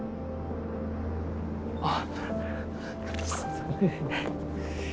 あっ。